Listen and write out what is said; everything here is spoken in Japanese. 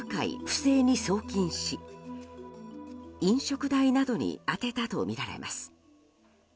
不正に送金し飲食代などに充てたとみられます。